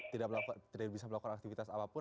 tidak bisa melakukan aktivitas apapun